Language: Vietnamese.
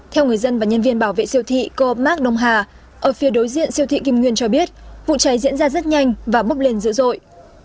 theo người dân và nhân viên bảo vệ siêu thị com mark đông hà ở phía đối diện siêu thị kim nguyên cho biết vụ cháy diễn ra rất nhanh và bốc lên dữ dội